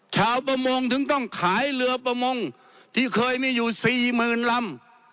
ชาวประมงถึงต้องขายเรือประมงที่เคยมีอยู่สี่หมื่นลำ